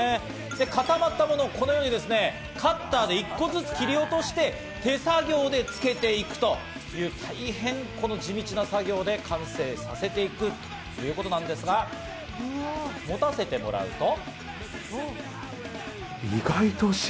固まったものをこのようにカッターで一個ずつ切り落として手作業でつけていくという大変地道な作業で完成させていくということなんですが、持たせてもらうと。